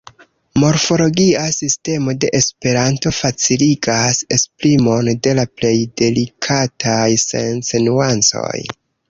Morfologia sistemo de esperanto faciligas esprimon de la plej delikataj senc-nuancoj.